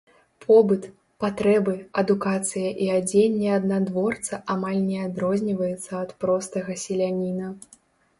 Побыт, патрэбы, адукацыя і адзенне аднадворца амаль не адрозніваецца ад простага селяніна.